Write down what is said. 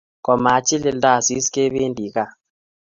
komachimilta asis kebendi kaa